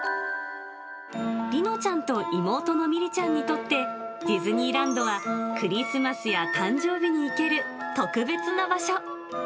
梨乃ちゃんと妹のみりちゃんにとって、ディズニーランドは、クリスマスや誕生日に行ける特別な場所。